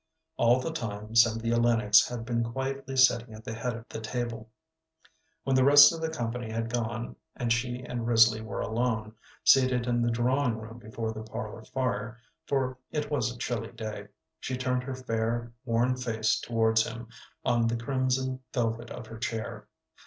All the time Cynthia Lennox had been quietly sitting at the head of the table. When the rest of the company had gone, and she and Risley were alone, seated in the drawing room before the parlor fire, for it was a chilly day, she turned her fair, worn face towards him on the crimson velvet of her chair.